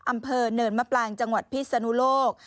อำเภอเนินมะปรางจังหวัดพิศนุโลก